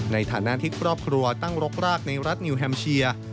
ในฐานะที่ครอบครัวตั้งรกรากในรัฐนิวแฮมเชีย